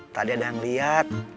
tadi ada yang liat